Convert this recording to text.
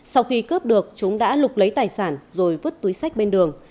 sau khi cướp được chúng đã lục lấy tài sản rồi vứt túi sách bên đường